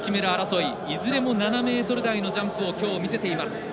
いずれも７ｍ台のジャンプをきょう見せています。